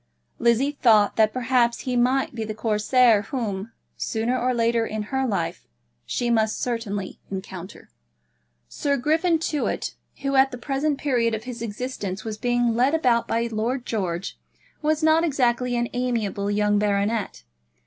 Lizzie thought that perhaps he might be the Corsair whom, sooner or later in her life, she must certainly encounter. Sir Griffin Tewett, who at the present period of his existence was being led about by Lord George, was not exactly an amiable young baronet.